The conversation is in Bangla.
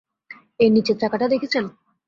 এই নীচের চাকাটা দেখছেন?